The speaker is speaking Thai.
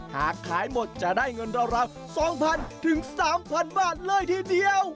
หากขายหมดจะได้เงินราว๒๐๐๐ถึง๓๐๐บาทเลยทีเดียว